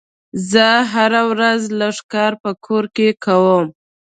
زه هره ورځ لږ کار په کور کې کوم.